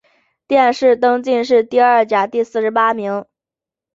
殿试登进士第二甲第四十八名。